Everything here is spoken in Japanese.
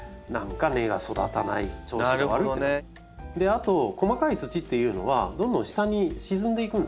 あと細かい土っていうのはどんどん下に沈んでいくんですね。